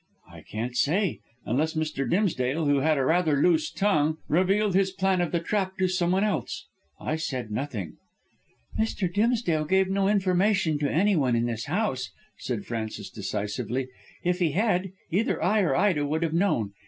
"I can't say, unless Mr. Dimsdale, who had rather a loose tongue, revealed his plan of the trap to someone else. I said nothing." "Mr. Dimsdale gave no information to anyone in this house," said Frances decisively; "if he had, either I or Ida would have known.